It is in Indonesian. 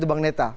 di bangunan neta